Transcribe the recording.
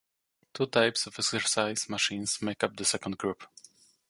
Two types of exercise machines make up the second group.